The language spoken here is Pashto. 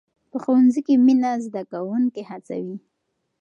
په ښوونځي کې مینه زده کوونکي هڅوي.